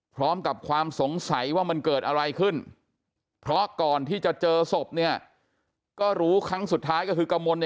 พร้อมกับความสงสัยว่ามันเกิดอะไรขึ้นเพราะก่อนที่จะเจอศพก็รู้ครั้งสุดท้ายก็คือกระมน